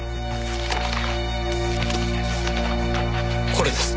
これです！